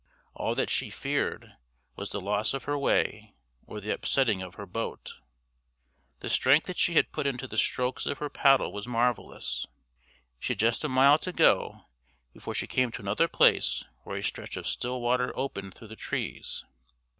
All that she feared was the loss of her way, or the upsetting of her boat. The strength that she put into the strokes of her paddle was marvellous. She had just a mile to go before she came to another place where a stretch of still water opened through the trees.